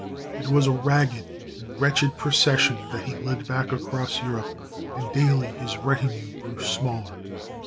It was a ragged and wretched procession that he led back across Europe, and daily his retinue grew smaller.